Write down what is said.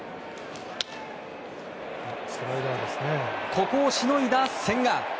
ここをしのいだ千賀。